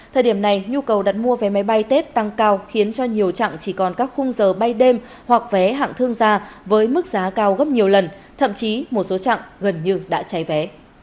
thời điểm này nhu cầu đặt mua vé máy bay tết tăng cao khiến cho nhiều trạng chỉ còn các khung giờ bay đêm hoặc vé hạng thương gia với mức giá cao gấp nhiều lần thậm chí một số trạng gần như đã cháy vé